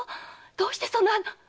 どうしてそんな〕